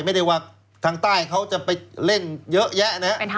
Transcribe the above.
ไม่ได้ว่าทางใต้เขาจะไปเล่นเยอะแยะนะ